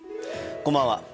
こんばんは。